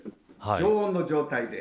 常温の状態で。